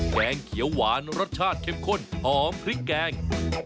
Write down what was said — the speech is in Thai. แกงเขียวหวานรสชาติเข้มข้นหอมพริกแกง